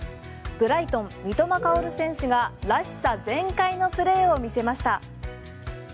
ブライトン三笘薫選手がらしさ前回のプレーを見せました。